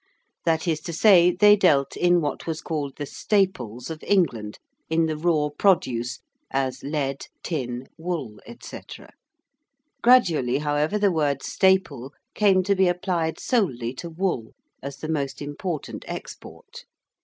That is to say, they dealed in what was called the 'staples' of England in the raw produce, as lead, tin, wool, &c. Gradually, however, the word Staple came to be applied solely to wool as the most important export.